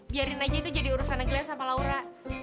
biarin aja itu jadi urusanan gila sama laura